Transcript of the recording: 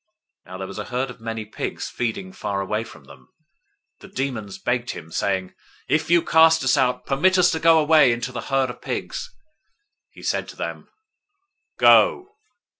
008:030 Now there was a herd of many pigs feeding far away from them. 008:031 The demons begged him, saying, "If you cast us out, permit us to go away into the herd of pigs." 008:032 He said to them, "Go!"